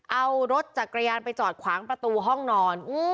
เอารถจักรยานไปจอดขวางประตูห้องนอน